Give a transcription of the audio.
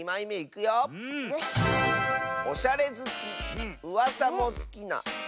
「おしゃれずきうわさもすきなあたまやさん」。